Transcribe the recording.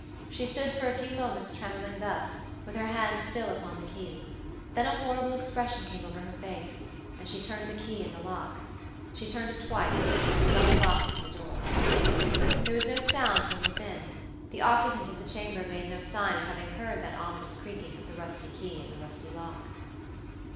She stood for a few moments trembling thus, with her hand still upon the key; then a horrible expression came over her face, and she turned the key in the lock. She turned it twice, double locking the door. There was no sound from within; the occupant of the chamber made no sign of having heard that ominous creaking of the rusty key in the rusty lock.